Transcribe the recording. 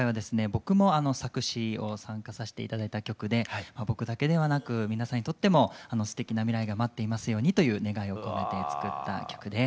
僕も作詞を参加させて頂いた曲で僕だけではなく皆さんにとってもすてきな未来が待っていますようにという願いを込めて作った曲です。